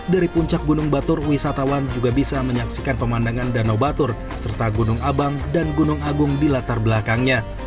dari puncak gunung batur wisatawan juga bisa menyaksikan pemandangan danau batur serta gunung abang dan gunung agung di latar belakangnya